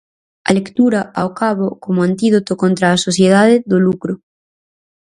A lectura, ao cabo, como antídoto contra a sociedade do lucro.